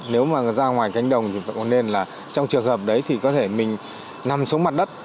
nếu mà ra ngoài cánh đồng thì có nên là trong trường hợp đấy thì có thể mình nằm xuống mặt đất